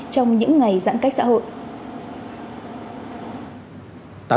trong những ngày giãn cách xã hội